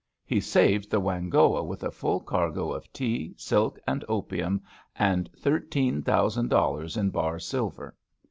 He saved the Whang hoa with a full cargo of tea, silk and opium, and thirteen thousand dollars in bar silver.